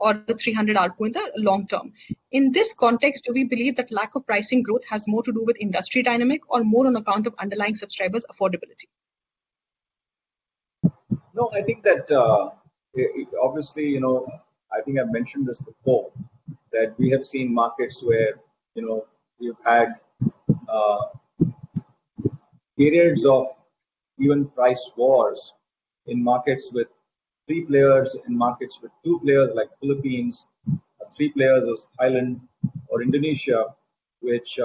or 300 ARPU in the long term. In this context, do we believe that lack of pricing growth has more to do with industry dynamic or more on account of underlying subscribers' affordability?
No, I think I've mentioned this before, that we have seen markets where we've had periods of even price wars in markets with three players, in markets with two players like Philippines, or three players as Thailand or Indonesia, which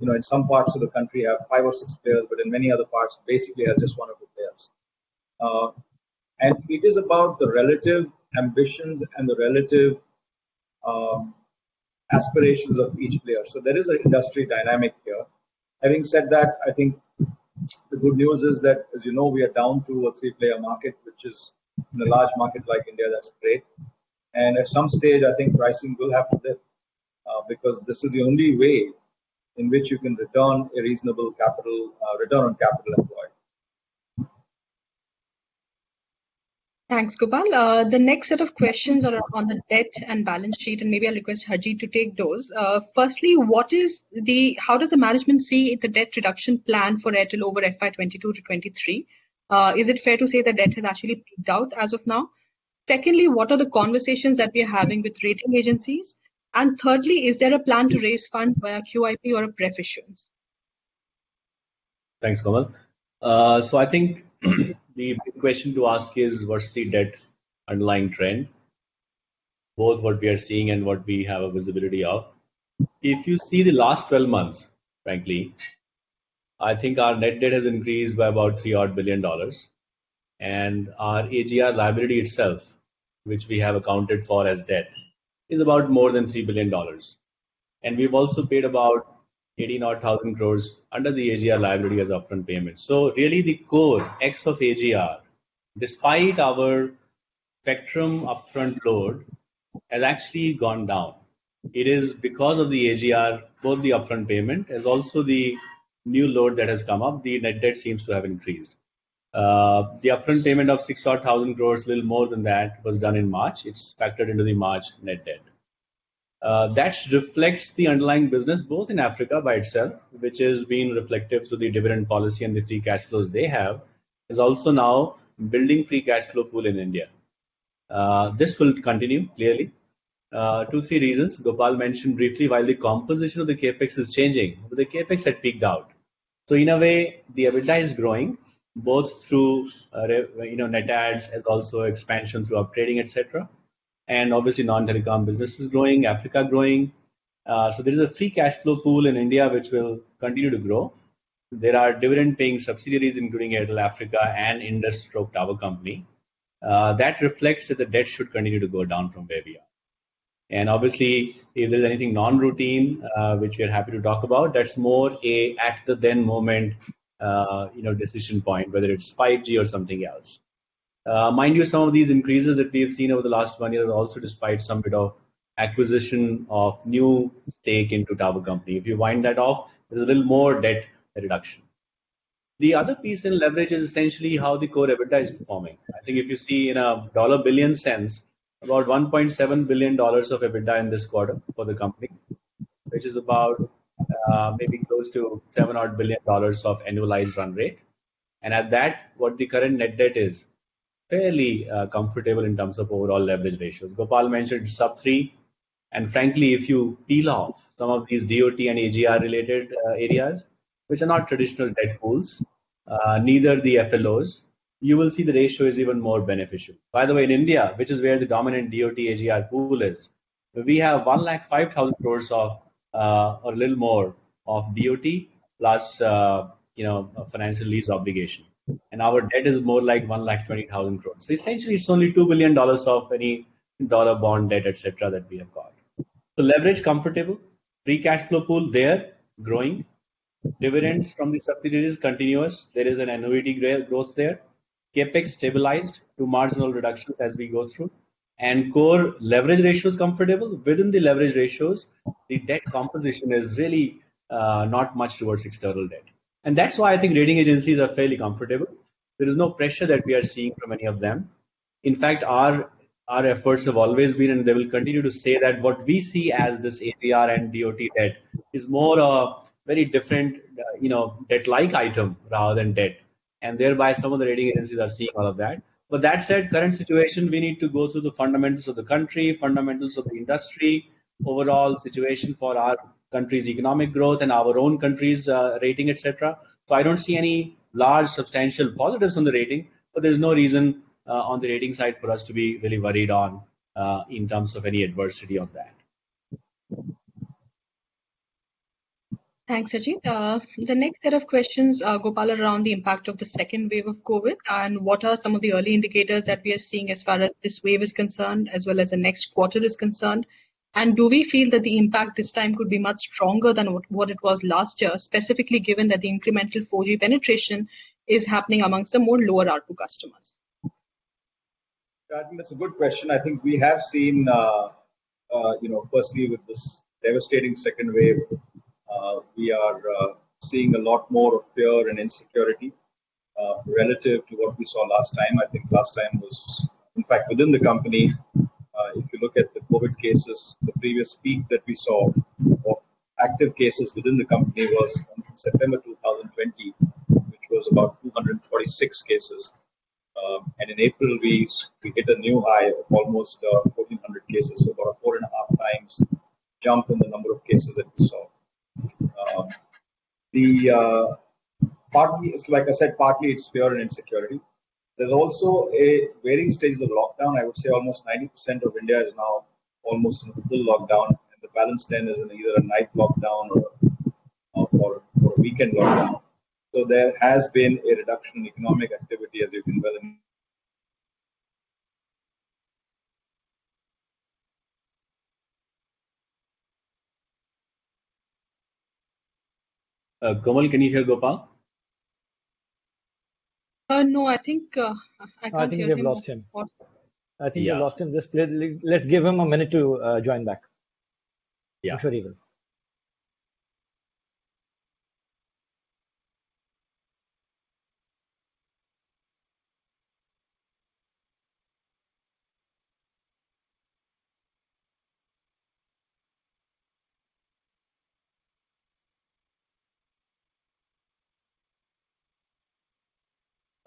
in some parts of the country have five or six players, but in many other parts, basically has just one or two players. It is about the relative ambitions and the relative aspirations of each player. There is an industry dynamic here. Having said that, I think the good news is that, as you know, we are down to a three-player market, which is, in a large market like India, that's great. At some stage, I think pricing will have to lift, because this is the only way in which you can return a reasonable return on capital employed.
Thanks, Gopal. The next set of questions are on the debt and balance sheet, and maybe I'll request Harjeet to take those. Firstly, how does the management see the debt reduction plan for Airtel over FY 2022 to 2023? Is it fair to say the debt has actually peaked out as of now? Secondly, what are the conversations that we are having with rating agencies? Thirdly, is there a plan to raise funds via QIP or a pref issuance?
Thanks, Komal. I think the big question to ask is what's the debt underlying trend, both what we are seeing and what we have a visibility of. If you see the last 12 months, frankly, I think our net debt has increased by about $3 odd billion. Our AGR liability itself, which we have accounted for as debt, is about more than $3 billion. We've also paid about 80 odd thousand crores under the AGR liability as upfront payment. Really the core, ex of AGR, despite our spectrum upfront load, has actually gone down. It is because of the AGR, both the upfront payment, as also the new load that has come up, the net debt seems to have increased. The upfront payment of 6,000 crores, a little more than that, was done in March. It's factored into the March net debt. That reflects the underlying business, both in Africa by itself, which is being reflective to the dividend policy and the free cash flows they have. It's also now building free cash flow pool in India. This will continue, clearly. Two, three reasons. Gopal mentioned briefly, while the composition of the CapEx is changing, but the CapEx had peaked out. In a way, the EBITDA is growing, both through net adds, as also expansion through upgrading, et cetera, and obviously non-telecom business is growing, Africa growing. There is a free cash flow pool in India which will continue to grow. There are dividend-paying subsidiaries, including Airtel Africa and Indus Towers. That reflects that the debt should continue to go down from here beyond. Obviously, if there's anything non-routine, which we are happy to talk about, that's more a after then moment decision point, whether it's 5G or something else. Mind you, some of these increases that we have seen over the last one year are also despite some bit of acquisition of new stake into tower company. If you wind that off, there's a little more debt reduction. The other piece in leverage is essentially how the core EBITDA is performing. I think if you see in a dollar billion sense, about $1.7 billion of EBITDA in this quarter for the company, which is about maybe close to $7 odd billion of annualized run rate. At that, what the current net debt is fairly comfortable in terms of overall leverage ratios. Gopal mentioned sub-three. Frankly, if you peel off some of these DoT and AGR-related areas, which are not traditional debt pools, neither the FLOs, you will see the ratio is even more beneficial. By the way, in India, which is where the dominant DoT AGR pool is, we have 105,000 crore or a little more of DoT plus financial lease obligation. Our debt is more like 120,000 crore. Essentially, it's only $2 billion of any dollar bond debt, et cetera, that we have got. Leverage comfortable. Free cash flow pool there growing. Dividends from the subsidiary is continuous. There is an annuity growth there. CapEx stabilized to marginal reductions as we go through. Core leverage ratio is comfortable. Within the leverage ratios, the debt composition is really not much towards external debt. That's why I think rating agencies are fairly comfortable. There is no pressure that we are seeing from any of them. In fact, our efforts have always been, and they will continue to say that what we see as this AGR and DoT debt is more a very different debt-like item rather than debt. Thereby some of the rating agencies are seeing all of that. That said, current situation, we need to go through the fundamentals of the country, fundamentals of the industry, overall situation for our country's economic growth and our own country's rating, et cetera. I don't see any large substantial positives on the rating, but there's no reason on the rating side for us to be really worried on, in terms of any adversity on that.
Thanks, Harjeet Kohli. The next set of questions, Gopal Vittal, are around the impact of the second wave of COVID, and what are some of the early indicators that we are seeing as far as this wave is concerned as well as the next quarter is concerned. Do we feel that the impact this time could be much stronger than what it was last year, specifically given that the incremental 4G penetration is happening amongst the more lower ARPU customers?
I think that's a good question. I think we have seen, firstly, with this devastating second wave, we are seeing a lot more of fear and insecurity, relative to what we saw last time. I think last time was, in fact, within the company, if you look at the COVID cases, the previous peak that we saw of active cases within the company was September 2020, which was about 246 cases. In April, we hit a new high of almost 1,400 cases, so about a 4.5 times jump in the number of cases that we saw. Like I said, partly it's fear and insecurity. There's also a varying stage of lockdown. I would say almost 90% of India is now almost in a full lockdown, and the balance then is in either a night lockdown or a weekend lockdown. There has been a reduction in economic activity, as you can well imagine.
Komal, can you hear Gopal?
No, I think, I can't hear him.
I think we have lost him.
Yeah.
I think we lost him. Let's give him a minute to join back.
Yeah.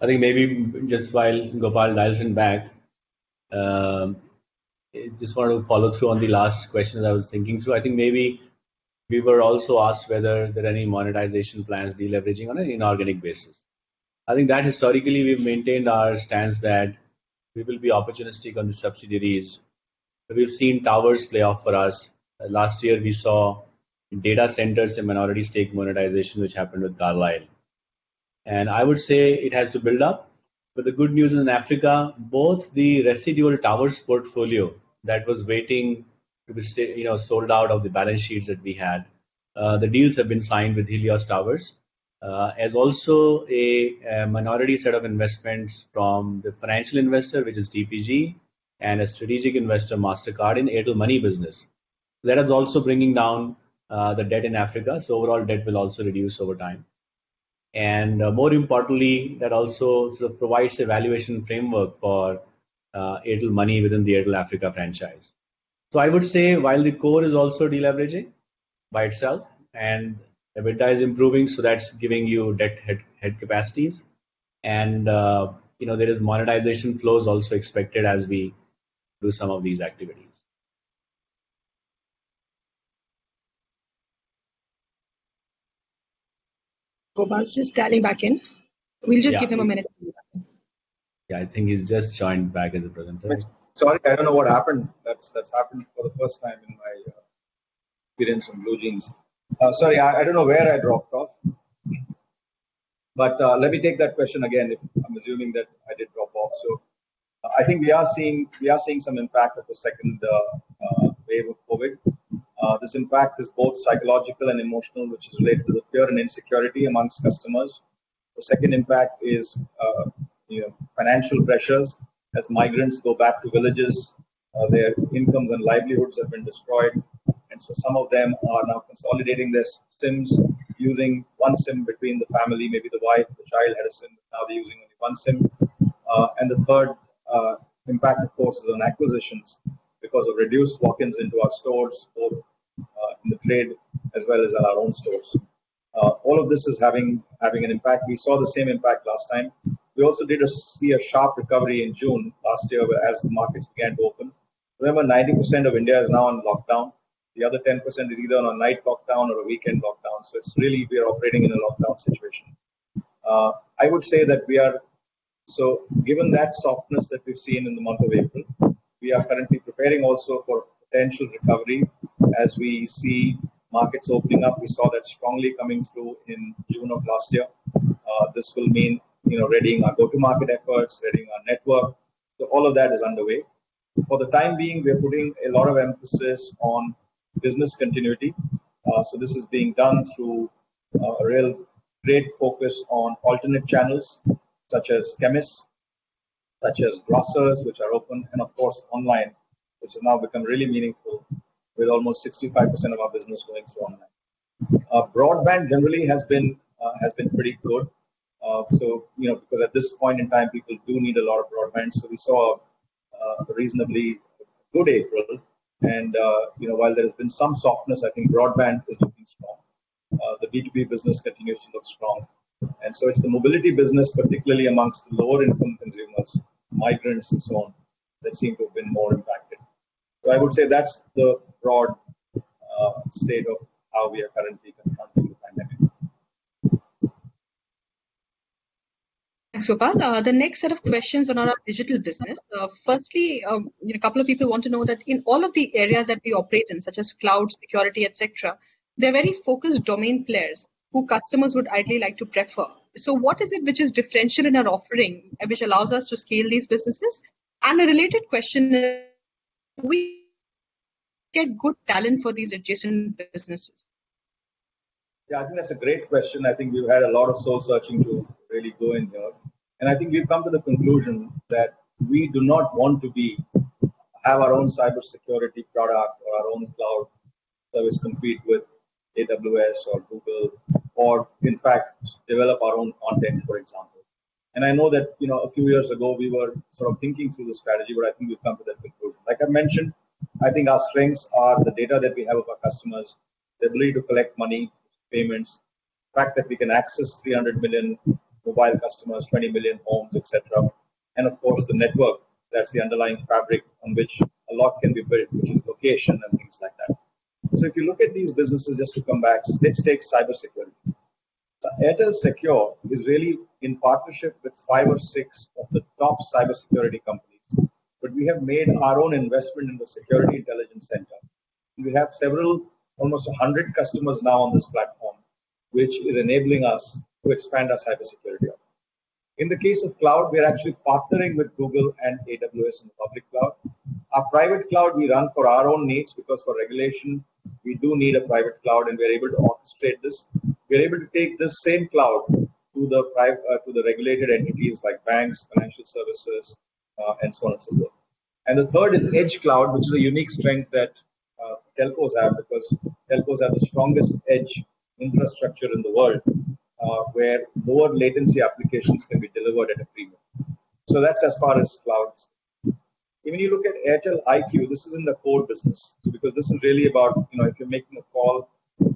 I'm sure he will. I think maybe just while Gopal dials in back, just want to follow through on the last question that I was thinking through. I think maybe we were also asked whether there are any monetization plans, de-leveraging on an inorganic basis. I think that historically we've maintained our stance that we will be opportunistic on the subsidiaries. We've seen towers play off for us. Last year we saw data centers and minority stake monetization, which happened with Carlyle. I would say it has to build up, but the good news in Africa, both the residual towers portfolio that was waiting to be sold out of the balance sheets that we had, the deals have been signed with Helios Towers. As also a minority set of investments from the financial investor, which is TPG, and a strategic investor, Mastercard, in Airtel Money business. That is also bringing down the debt in Africa, so overall debt will also reduce over time. More importantly, that also sort of provides a valuation framework for Airtel Money within the Airtel Africa franchise. I would say while the core is also de-leveraging by itself and EBITDA is improving, so that's giving you debt head capacities and there is monetization flows also expected as we do some of these activities.
Gopal's just dialing back in. We'll just give him a minute.
Yeah, I think he's just joined back as a presenter.
Sorry, I don't know what happened. That's happened for the first time in my experience on BlueJeans. Sorry, I don't know where I dropped off, let me take that question again, I'm assuming that I did drop off. I think we are seeing some impact of the second wave of COVID. This impact is both psychological and emotional, which is related to the fear and insecurity amongst customers. The second impact is financial pressures as migrants go back to villages, their incomes and livelihoods have been destroyed. Some of them are now consolidating their SIMs, using one SIM between the family, maybe the wife, the child had a SIM, now they're using only one SIM. The third impact, of course, is on acquisitions because of reduced walk-ins into our stores, both in the trade as well as at our own stores. All of this is having an impact. We saw the same impact last time. We also did see a sharp recovery in June last year as the markets began to open. Remember, 90% of India is now on lockdown. The other 10% is either on a night lockdown or a weekend lockdown. We are operating in a lockdown situation. Given that softness that we've seen in the month of April, we are currently preparing also for potential recovery as we see markets opening up. We saw that strongly coming through in June of last year. This will mean readying our go-to-market efforts, readying our network. All of that is underway. For the time being, we are putting a lot of emphasis on business continuity. This is being done through a real great focus on alternate channels such as chemists, such as grocers, which are open, and of course online, which has now become really meaningful with almost 65% of our business going through online. Broadband, generally has been pretty good. At this point in time, people do need a lot of broadband. We saw a reasonably good April. While there's been some softness, I think broadband is looking strong. The B2B business continues to look strong. It's the mobility business, particularly amongst lower-income consumers, migrants, and so on, that seem to have been more impacted. I would say that's the broad state of how we are currently confronting the pandemic.
Thanks, Gopal. The next set of questions are on our digital business. Firstly, a couple of people want to know that in all of the areas that we operate in, such as cloud security, et cetera, they're very focused domain players who customers would ideally like to prefer. What is it which is differentiating our offering and which allows us to scale these businesses? The related question is, do we get good talent for these adjacent businesses?
Yeah, I think that's a great question. I think we've had a lot of soul-searching to really go in there. I think we've come to the conclusion that we do not want to have our own cybersecurity product or our own cloud service compete with AWS or Google or, in fact, develop our own content, for example. I know that a few years ago, we were sort of thinking through the strategy, but I think we've come to that conclusion. Like I mentioned, I think our strengths are the data that we have of our customers, the ability to collect money, payments, the fact that we can access 300 million mobile customers, 20 million homes, et cetera. Of course, the network, that's the underlying fabric on which a lot can be built, which is location and things like that. If you look at these businesses, just to come back, let's take cybersecurity. Airtel Secure is really in partnership with five or six of the top cybersecurity companies. We have made our own investment in the security intelligence center. We have almost 100 customers now on this platform, which is enabling us to expand our cybersecurity offer. In the case of cloud, we are actually partnering with Google and AWS in public cloud. Our private cloud we run for our own needs because for regulation, we do need a private cloud, and we are able to orchestrate this. We are able to take the same cloud to the regulated entities like banks, financial services, and so on, so forth. The third is edge cloud, which is a unique strength that telcos have because telcos have the strongest edge infrastructure in the world, where low latency applications can be delivered at a premium. That's as far as clouds. When you look at Airtel IQ, this is in the core business because this is really about if you're making a call to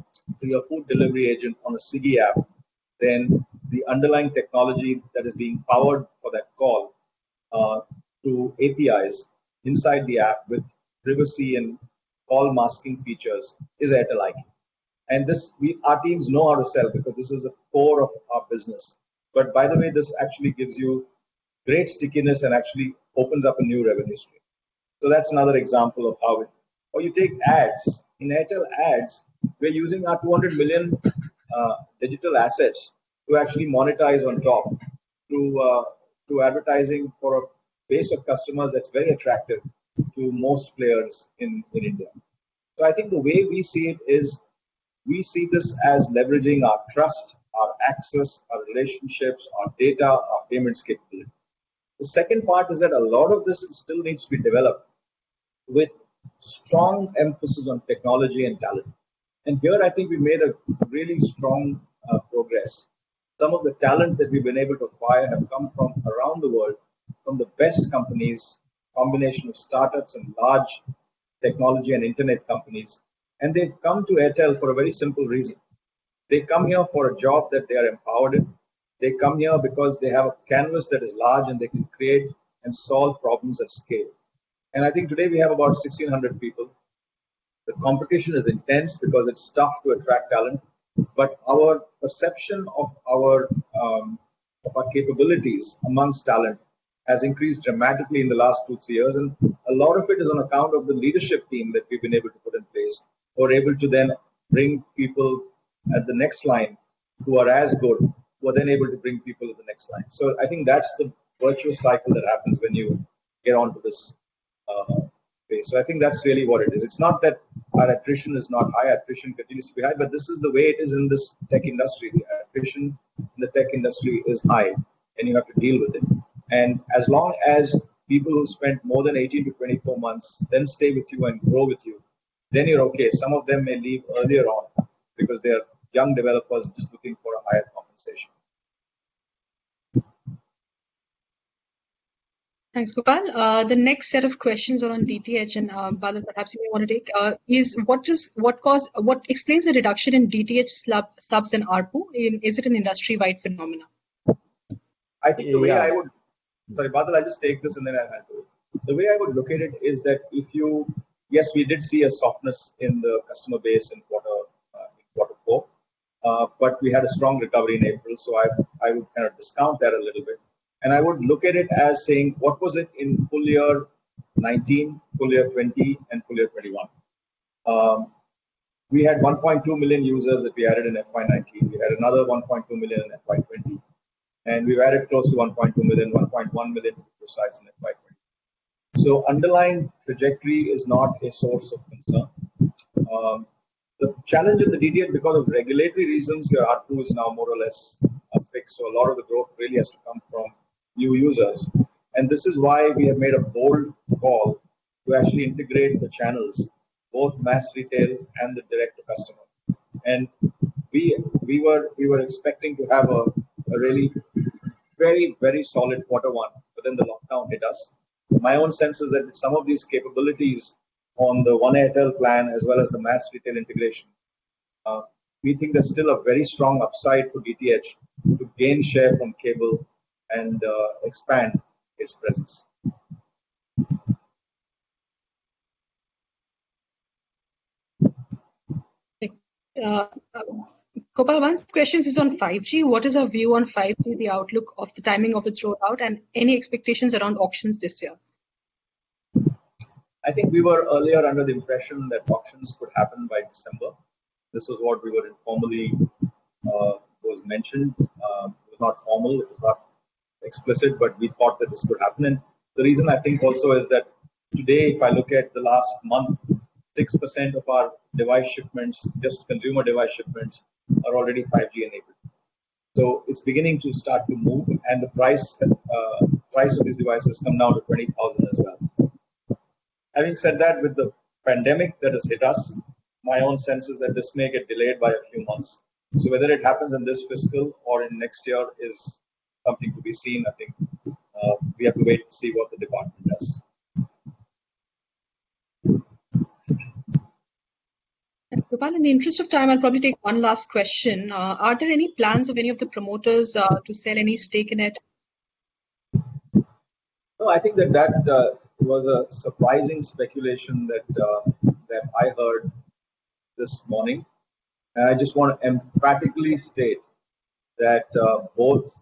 your food delivery agent on a the app, then the underlying technology that is being powered for that call to APIs inside the app with privacy and call masking features is Airtel IQ. Our teams know ourselves because this is the core of our business. By the way, this actually gives you great stickiness and actually opens up a new revenue stream. That's another example of how it-- or you take Ads. In Airtel Ads, we're using our 200 million digital assets to actually monetize on top through advertising for a base of customers that's very attractive to most players in India. I think the way we see it is we see this as leveraging our trust, our access, our relationships, our data, our payments capability. The second part is that a lot of this still needs to be developed with strong emphasis on technology and talent. Here I think we made a really strong progress. Some of the talent that we've been able to acquire have come from around the world, from the best companies, combination of startups and large technology and internet companies. They've come to Airtel for a very simple reason. They come here for a job that they are empowered in. They come here because they have a canvas that is large, and they can create and solve problems at scale. I think today we have about 1,600 people. The competition is intense because it's tough to attract talent. Our perception of our capabilities amongst talent has increased dramatically in the last two, three years, and a lot of it is on account of the leadership team that we've been able to put in place. We're able to then bring people at the next line who are as good. We're then able to bring people at the next line. I think that's the virtual cycle that happens when you get onto this space. I think that's really what it is. It's not that our attrition is not high. Attrition continues to be high, but this is the way it is in this tech industry. The attrition in the tech industry is high, and you have to deal with it. As long as people who spent more than 18-24 months then stay with you and grow with you, then you're okay. Some of them may leave earlier on because they're young developers just looking for a higher compensation.
Thanks, Gopal. The next set of questions are on DTH and Bharti perhaps you want to take. What explains the reduction in DTH subs in ARPU? Is it an industry-wide phenomenon?
Bharti, I'll just take this then I hand it over. The way I would look at it is that yes, we did see a softness in the SME base in quarter four. We had a strong recovery in April, I would kind of discount that a little bit. I would look at it as saying, what was it in FY 2019, FY 2020, and FY 2021? We had 1.2 million users that we added in FY 2019. We had another 1.2 million in FY 2020, we added close to 1.2 million, 1.1 million precisely in FY 2021. Underlying trajectory is not a source of concern. The challenge in the DTH because of regulatory reasons, your R2 is now more or less fixed, a lot of the growth really has to come from new users. This is why we have made a bold call to actually integrate the channels, both mass retail and the direct to customer. We were expecting to have a really very solid quarter one, but then the lockdown hit us. My own sense is that some of these capabilities on the One Airtel plan as well as the mass retail integration, we think there's still a very strong upside for DTH to gain share from cable and expand its presence.
Okay. Gopal, one question is on 5G. What is our view on 5G, the outlook of the timing of its rollout, and any expectations around auctions this year?
I think we were earlier under the impression that auctions could happen by December. This is what informally was mentioned. It was not formal, it was not explicit, but we thought that this could happen. The reason I think also is that today, if I look at the last month, 6% of our device shipments, just consumer device shipments, are already 5G enabled. It's beginning to start to move, and the price of these devices come down to 20,000 as well. Having said that, with the pandemic that has hit us, my own sense is that this may get delayed by a few months. Whether it happens in this fiscal or in next year is something to be seen. I think we have to wait to see what the department does.
Gopal, in the interest of time, I'll probably take one last question. Are there any plans of any of the promoters to sell any stake in it?
No, I think that was a surprising speculation that I heard this morning. I just want to emphatically state that both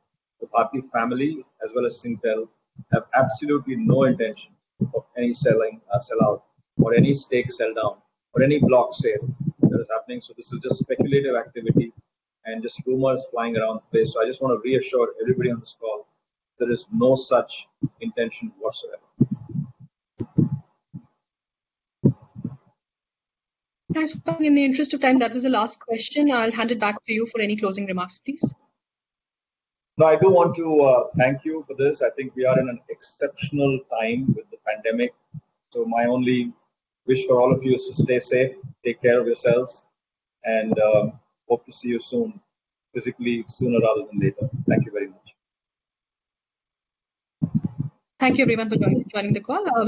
the Bharti family as well as Singtel have absolutely no intention of any sellout or any stake sell-down or any block sale that is happening. This is just speculative activity and just rumors flying around the place. I just want to reassure everybody on this call, there is no such intention whatsoever.
Thanks, Gopal. In the interest of time, that was the last question. I'll hand it back to you for any closing remarks, please.
I do want to thank you for this. I think we are in an exceptional time with the pandemic. My only wish for all of you is to stay safe, take care of yourselves, and hope to see you soon, physically sooner rather than later. Thank you very much.
Thank you everyone for joining the call.